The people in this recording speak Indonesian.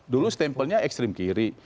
dulu stempelnya ekstrim kiri